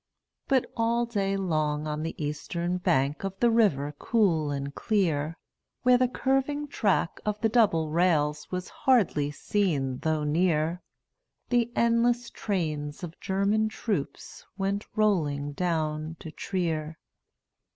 But all day long on the eastern bank Of the river cool and clear, Where the curving track of the double rails Was hardly seen though near, The endless trains of German troops Went rolling down to Trier.